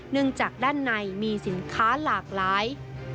จากด้านในมีสินค้าหลากหลาย